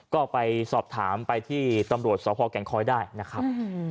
ก็ไปสอบถามไปที่ตำรวจสพแก่งคอยได้นะครับ